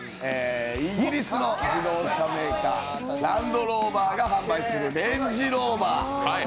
イギリスの自動車メーカー、ランドローバーが販売するレンジローバー。